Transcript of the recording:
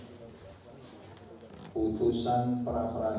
serta aturan umum lain yang terkait